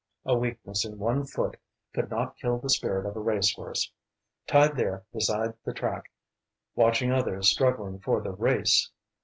A weakness in one foot could not kill the spirit of a race horse. Tied there beside the track, watching others struggling for the race!